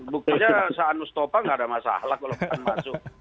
buktinya se anus topa tidak ada masalah kalau pan masuk